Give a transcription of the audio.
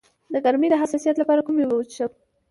د ګرمۍ د حساسیت لپاره کومې اوبه وڅښم؟